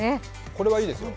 これはいいですよ。